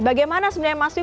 bagaimana sebenarnya mas fim